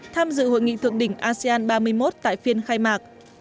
tham dự hội nghị thượng đỉnh asean ba mươi một tại phiên khai mạc